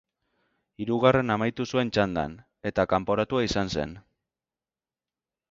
Hirugarren amaitu zuen txandan, eta kanporatua izan zen.